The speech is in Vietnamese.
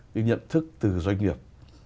cái nhận thức từ doanh nghiệp